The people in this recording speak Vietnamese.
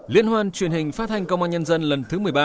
liên hoan truyền hình phát thanh công an nhân dân lần thứ một mươi ba